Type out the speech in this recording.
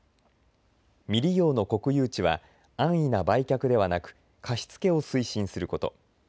未利用の国有地は安易な売却ではなく貸し付けを推進すること。